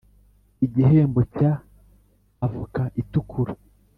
igihembo cya avokaitukura